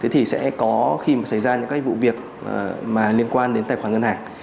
thì sẽ có khi mà xảy ra những cái vụ việc mà liên quan đến tài khoản ngân hàng